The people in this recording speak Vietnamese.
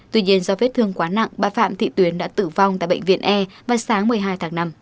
tuy nhiên do vết thương quá nặng bà phạm thị tuyến đã tử vong tại bệnh viện e vào sáng một mươi hai tháng năm